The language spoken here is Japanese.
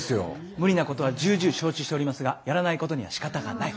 無理なことはじゅうじゅう承知しておりますがやらないことにはしかたがない。